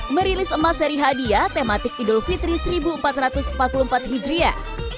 merilis emas seri hadiah tematik idul fitri seribu empat ratus empat puluh empat hijriah